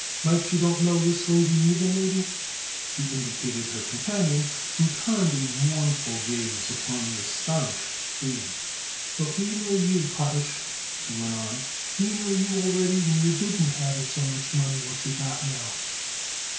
"Might you don't know this lady neither, maybe?" She indicated her companion, who turned a mournful gaze upon the astonished Abe. "But we know you, Potash," she went on. "We know you already when you didn't have it so much money what you got now."